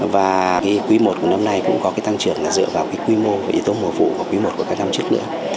và cái quý i của năm nay cũng có cái tăng trưởng dựa vào cái quy mô và y tố mùa vụ của quý i của các năm trước nữa